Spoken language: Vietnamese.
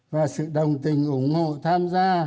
và sự đồng tình ủng hộ tham gia